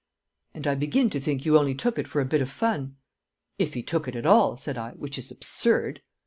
And I begin to think you only took it for a bit o' fun!" "If he took it at all," said I. "Which is absurd."